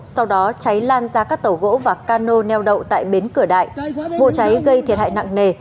sau đó cháy lan ra các tàu gỗ và cano neo đậu tại bến cửa đại vụ cháy gây thiệt hại nặng nề